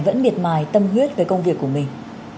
vẫn miệt mài tâm huyết với công việc của mình